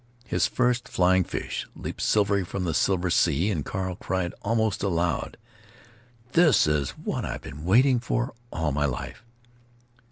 His first flying fish leaped silvery from silver sea, and Carl cried, almost aloud, "This is what I've been wanting all my life!"